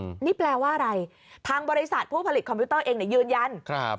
อืมนี่แปลว่าอะไรทางบริษัทผู้ผลิตคอมพิวเตอร์เองเนี่ยยืนยันครับ